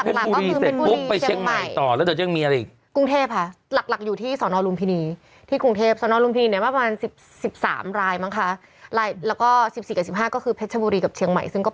เพชรบุรีเสร็จปุ๊บไปเชียงใหม่ต่อ